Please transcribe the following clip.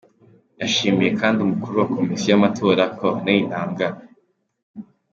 Yashimiye kandi umukuru wa Komisiyo y’amatora, Corneille Naanga.